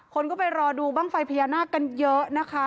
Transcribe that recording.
คนก็ไปรอดูบ้างไฟพญานาคกันเยอะนะคะ